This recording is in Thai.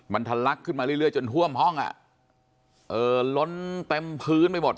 มันทะลักขึ้นมาเรื่อยจนท่วมห้องอ่ะเอ่อล้นเต็มพื้นไปหมด